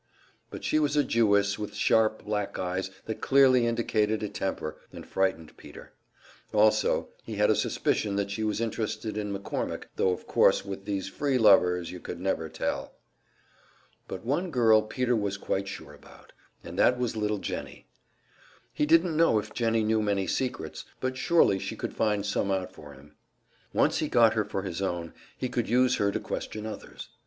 but she was a Jewess, with sharp, black eyes that clearly indicated a temper, and frightened Peter. Also, he had a suspicion that she was interested in McCormick tho of course with these "free lovers" you could never tell. But one girl Peter was quite sure about, and that was little Jennie; he didn't know if Jennie knew many secrets, but surely she could find some out for him. Once he got her for his own, he could use her to question others.